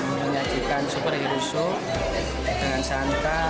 kami menyajikan superhero show dengan santan